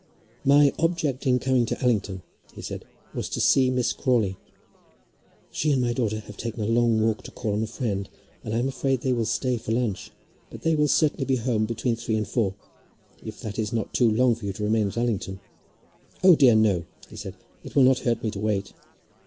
"My object in coming to Allington," he said, "was to see Miss Crawley." "She and my daughter have taken a long walk to call on a friend, and I am afraid they will stay for lunch; but they will certainly be home between three and four, if that is not too long for you to remain at Allington." "O dear, no," said he. "It will not hurt me to wait."